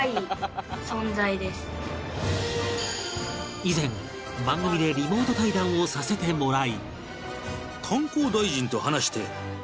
以前番組でリモート対談をさせてもらい